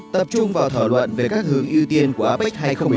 tập trung vào thảo luận về các hướng ưu tiên của apec hai nghìn một mươi tám